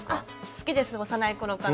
好きです幼い頃から。